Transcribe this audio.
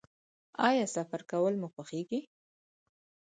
ایا سفر کول مو خوښیږي؟